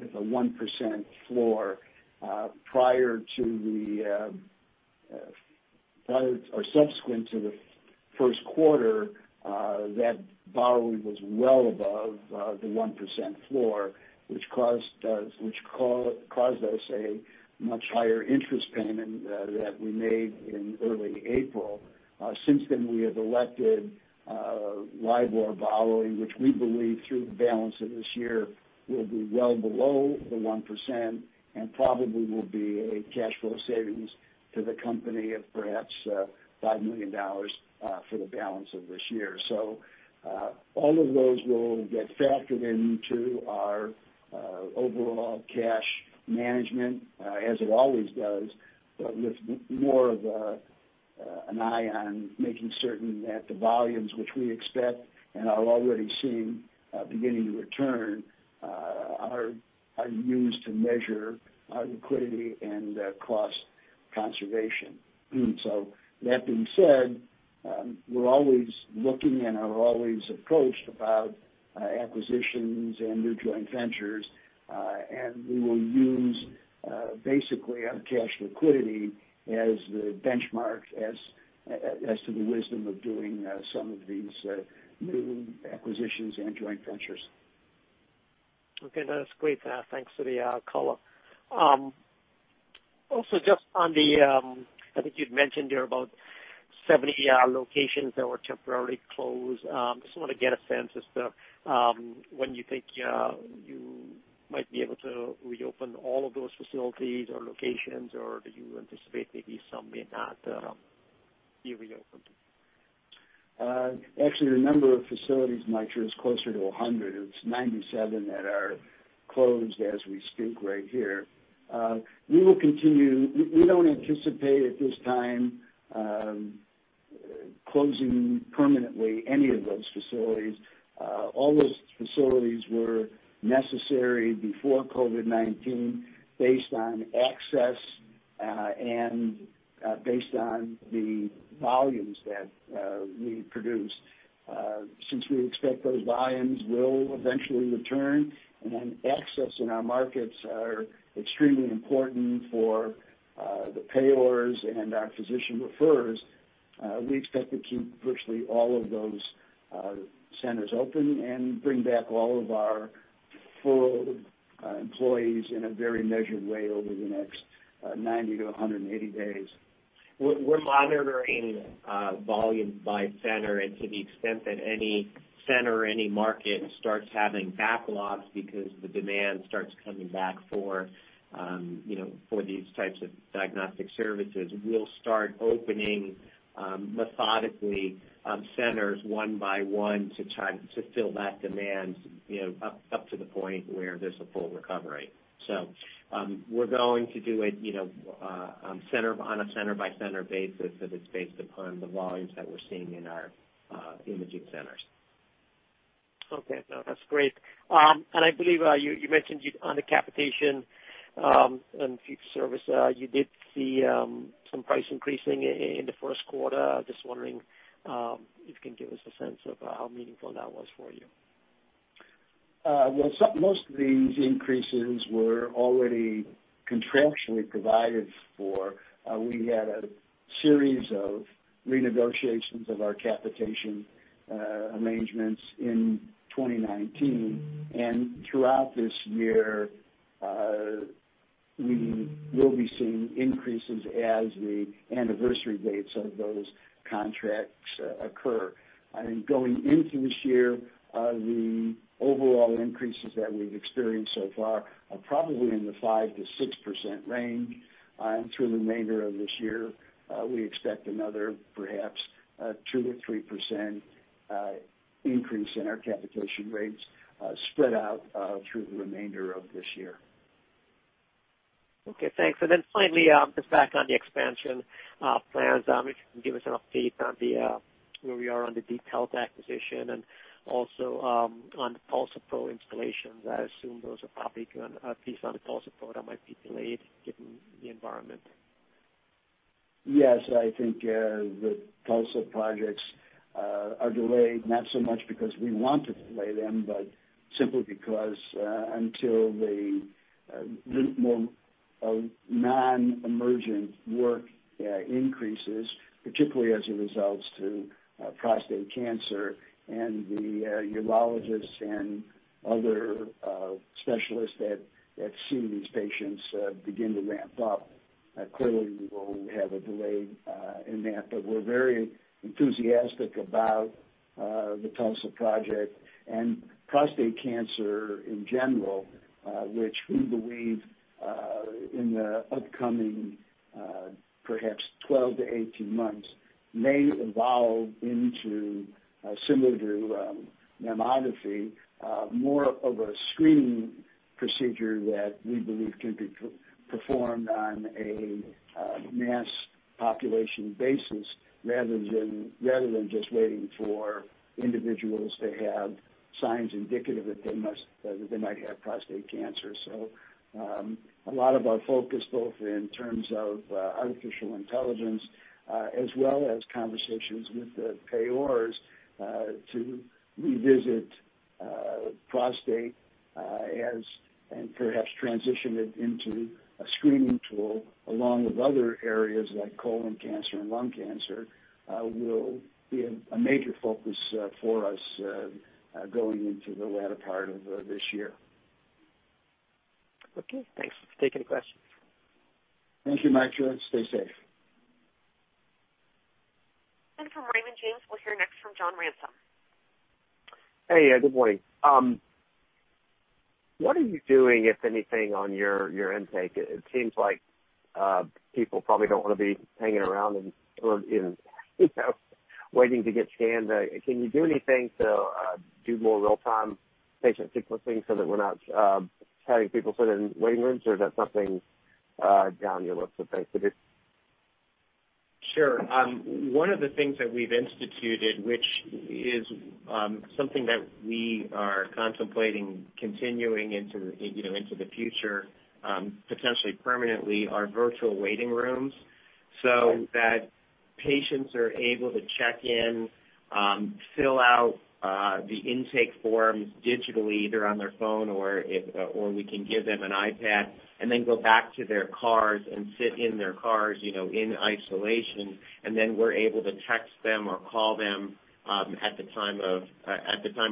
with a 1% floor. Subsequent to the first quarter, that borrowing was well above the 1% floor, which caused us a much higher interest payment that we made in early April. Since then, we have elected LIBOR borrowing, which we believe through the balance of this year will be well below the 1% and probably will be a cash flow savings to the company of perhaps $5 million for the balance of this year. All of those will get factored into our overall cash management, as it always does, but with more of an eye on making certain that the volumes which we expect, and are already seeing beginning to return, are used to measure our liquidity and cost conservation. That being said, we're always looking and are always approached about acquisitions and new joint ventures, and we will use basically our cash liquidity as the benchmark as to the wisdom of doing some of these new acquisitions and joint ventures. Okay. That's great. Thanks for the call. I think you'd mentioned there about 70 locations that were temporarily closed. I just want to get a sense as to when you think you might be able to reopen all of those facilities or locations, or do you anticipate maybe some may not be reopened? Actually, the number of facilities, Mitra, is closer to 100. It's 97 that are closed as we speak right here. We don't anticipate at this time closing permanently any of those facilities. All those facilities were necessary before COVID-19 based on access and based on the volumes that we produce. Since we expect those volumes will eventually return and access in our markets are extremely important for the payers and our physician referrers, we expect to keep virtually all of those centers open and bring back all of our full employees in a very measured way over the next 90 to 180 days. We're monitoring volume by center, and to the extent that any center or any market starts having backlogs because the demand starts coming back for these types of diagnostic services, we'll start opening methodically centers one by one to try to fill that demand up to the point where there's a full recovery. We're going to do it on a center-by-center basis that is based upon the volumes that we're seeing in our imaging centers. Okay. No, that's great. I believe you mentioned on the capitation and fee-for-service, you did see some price increasing in the first quarter. Just wondering if you can give us a sense of how meaningful that was for you. Well, most of these increases were already contractually provided for. We had a series of renegotiations of our capitation arrangements in 2019, and throughout this year, we will be seeing increases as the anniversary dates of those contracts occur. Going into this year, the overall increases that we've experienced so far are probably in the 5%-6% range through the remainder of this year. We expect another perhaps 2%-3% increase in our capitation rates spread out through the remainder of this year. Okay, thanks. Finally, just back on the expansion plans, if you can give us an update on where we are on the DeepHealth acquisition and also on the TULSA-PRO installations. I assume those are probably going at least on the TULSA-PRO that might be delayed given the environment. Yes, I think the TULSA-PRO projects are delayed, not so much because we want to delay them, but simply because until the non-emergent work increases, particularly as it relates to prostate cancer and the urologists and other specialists that see these patients begin to ramp up. Clearly, we will have a delay in that. We're very enthusiastic about the TULSA-PRO project and prostate cancer in general which we believe in the upcoming perhaps 12 to 18 months may evolve into similar to mammography, more of a screening procedure that we believe can be performed on a mass population basis rather than just waiting for individuals to have signs indicative that they might have prostate cancer. A lot of our focus, both in terms of artificial intelligence as well as conversations with the payers to revisit prostate and perhaps transition it into a screening tool along with other areas like colon cancer and lung cancer will be a major focus for us going into the latter part of this year. Okay, thanks. You can take any questions. Thank you, Mitra. Stay safe. From Raymond James, we'll hear next from John Ransom. Hey, good morning. What are you doing, if anything, on your intake? It seems like people probably don't want to be hanging around and waiting to get scanned. Can you do anything to do more real-time patient sequencing so that we're not having people sit in waiting rooms, or is that something down your list of things to do? Sure. One of the things that we've instituted, which is something that we are contemplating continuing into the future, potentially permanently, are virtual waiting rooms, so that patients are able to check in, fill out the intake forms digitally, either on their phone or we can give them an iPad, and then go back to their cars and sit in their cars in isolation. We're able to text them or call them at the time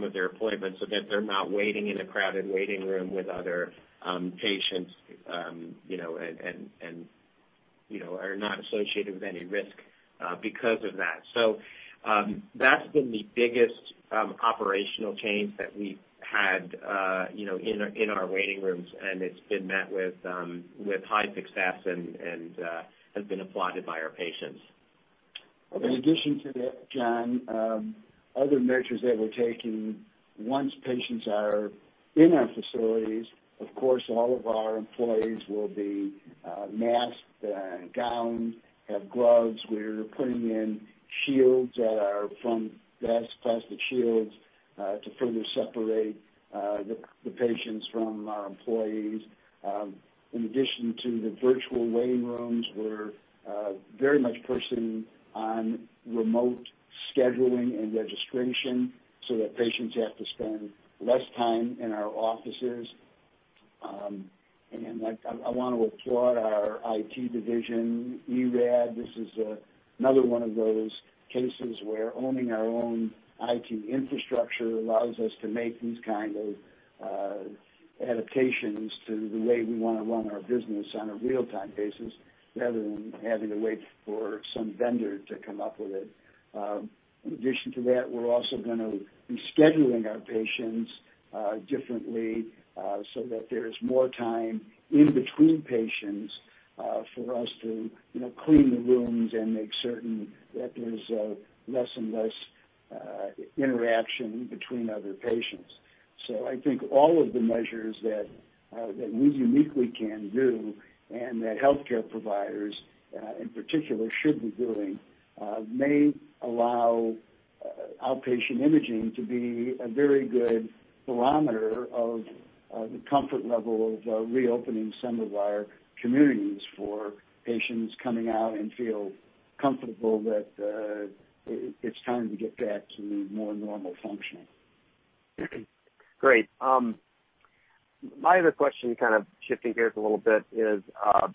of their appointment, so that they're not waiting in a crowded waiting room with other patients, and are not associated with any risk because of that. That's been the biggest operational change that we've had in our waiting rooms, and it's been met with high success and has been applauded by our patients. In addition to that, John, other measures that we're taking once patients are in our facilities, of course, all of our employees will be masked, gowned, have gloves. We're putting in shields that are from glass, plastic shields, to further separate the patients from our employees. In addition to the virtual waiting rooms, we're very much pushing on remote scheduling and registration so that patients have to spend less time in our offices. I want to applaud our IT division, eRAD. This is another one of those cases where owning our own IT infrastructure allows us to make these kind of adaptations to the way we want to run our business on a real-time basis, rather than having to wait for some vendor to come up with it. In addition to that, we're also going to be scheduling our patients differently so that there is more time in between patients for us to clean the rooms and make certain that there's less and less interaction between other patients. I think all of the measures that we uniquely can do and that healthcare providers, in particular, should be doing, may allow outpatient imaging to be a very good barometer of the comfort level of reopening some of our communities for patients coming out and feel comfortable that it's time to get back to more normal functioning. Great. My other question, kind of shifting gears a little bit, is I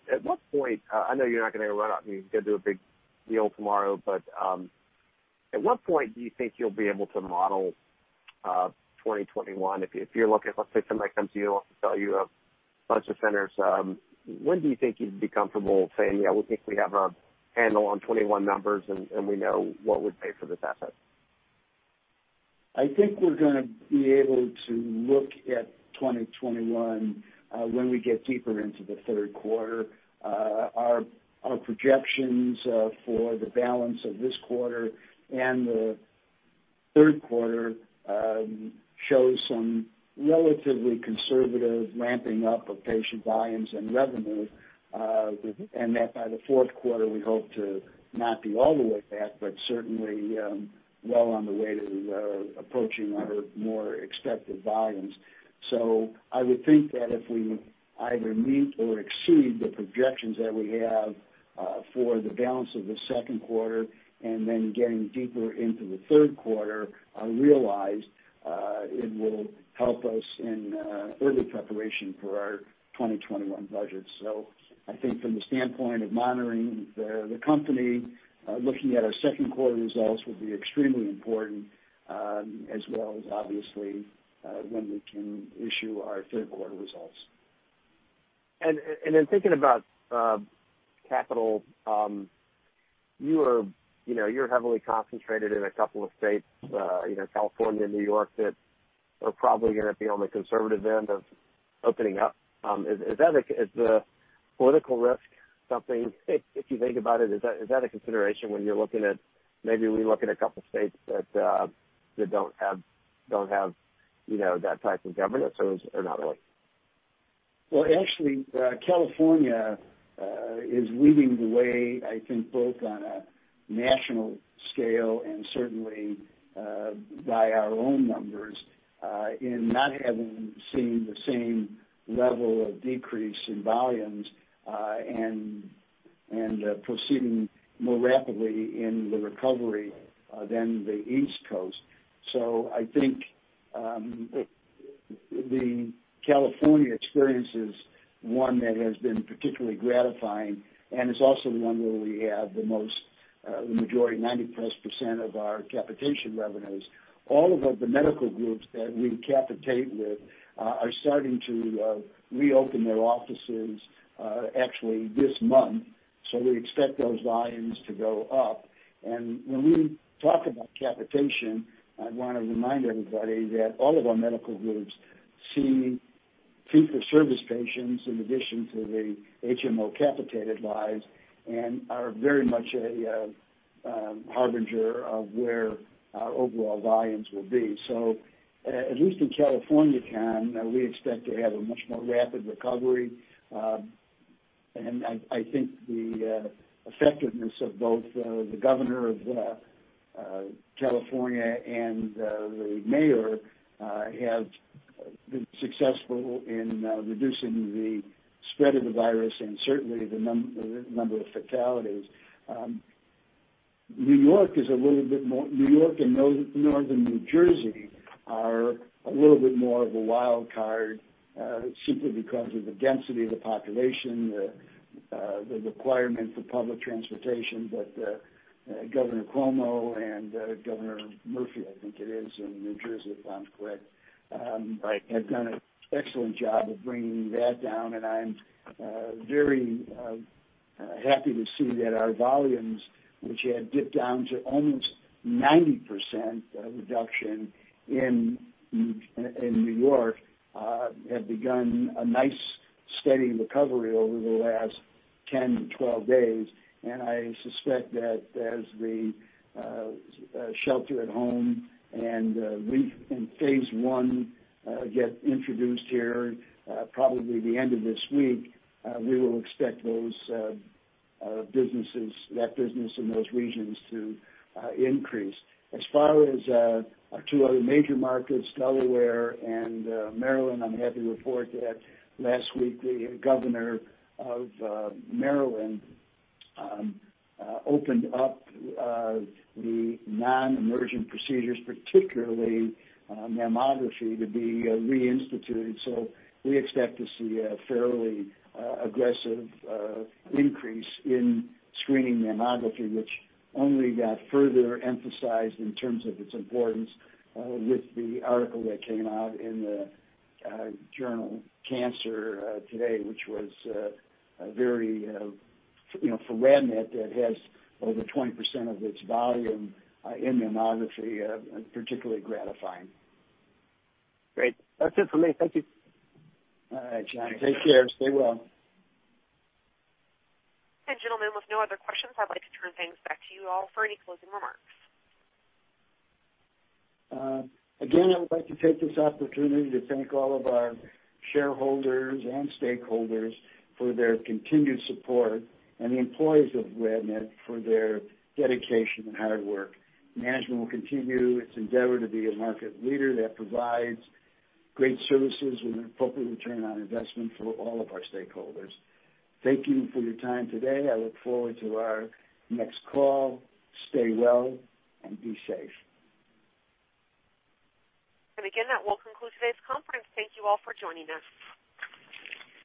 know you're not going to run out and go do a big deal tomorrow, but at what point do you think you'll be able to model 2021? If you're looking at, let's say somebody comes to you, wants to sell you a bunch of centers, when do you think you'd be comfortable saying, "Yeah, we think we have a handle on '21 numbers, and we know what we'd pay for this asset"? I think we're going to be able to look at 2021 when we get deeper into the third quarter. Our projections for the balance of this quarter and the third quarter show some relatively conservative ramping up of patient volumes and revenue. That by the fourth quarter, we hope to not be all the way back, but certainly well on the way to approaching our more expected volumes. I would think that if we either meet or exceed the projections that we have for the balance of the second quarter and then getting deeper into the third quarter realized, it will help us in early preparation for our 2021 budget. I think from the standpoint of monitoring the company, looking at our second quarter results will be extremely important, as well as obviously when we can issue our third quarter results. In thinking about capital, you're heavily concentrated in a couple of states, California and New York, that are probably going to be on the conservative end of opening up. Is the political risk something, if you think about it, is that a consideration when you're looking at maybe we look at a couple states that don't have that type of governance, or not really? Well, actually, California is leading the way, I think both on a national scale and certainly by our own numbers, in not having seen the same level of decrease in volumes, and proceeding more rapidly in the recovery than the East Coast. I think the California experience is one that has been particularly gratifying and is also the one where we have the most, the majority, 90%+ of our capitation revenues. All of the medical groups that we capitate with are starting to reopen their offices actually this month. We expect those volumes to go up. When we talk about capitation, I'd want to remind everybody that all of our medical groups see fee-for-service patients in addition to the HMO capitated lives and are very much a harbinger of where our overall volumes will be. At least in California, John, we expect to have a much more rapid recovery. I think the effectiveness of both the Governor of California and the mayor have been successful in reducing the spread of the virus and certainly the number of fatalities. New York and northern New Jersey are a little bit more of a wild card, simply because of the density of the population, the requirement for public transportation. Governor Cuomo and Governor Murphy, I think it is in New Jersey, if I'm correct. Right, have done an excellent job of bringing that down, and I'm very happy to see that our volumes, which had dipped down to almost 90% reduction in New York, have begun a nice steady recovery over the last 10 to 12 days. I suspect that as the shelter at home and phase 1 get introduced here, probably the end of this week, we will expect that business in those regions to increase. As far as our two other major markets, Delaware and Maryland, I'm happy to report that last week, the Governor of Maryland opened up the non-emergent procedures, particularly mammography, to be reinstituted. We expect to see a fairly aggressive increase in screening mammography, which only got further emphasized in terms of its importance with the article that came out in the journal Cancer today, which was very, for RadNet, that has over 20% of its volume in mammography, particularly gratifying. Great. That's it for me. Thank you. All right, John. Take care. Stay well. Gentlemen, with no other questions, I'd like to turn things back to you all for any closing remarks. Again, I would like to take this opportunity to thank all of our shareholders and stakeholders for their continued support, and the employees of RadNet for their dedication and hard work. Management will continue its endeavor to be a market leader that provides great services with an appropriate return on investment for all of our stakeholders. Thank you for your time today. I look forward to our next call. Stay well and be safe. Again, that will conclude today's conference. Thank you all for joining us.